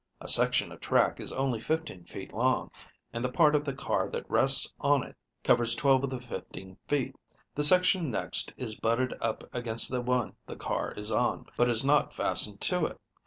A section of track is only fifteen feet long, and the part of the car that rests on it covers twelve of the fifteen feet. The section next is butted up against the one the car is on, but is not fastened to it.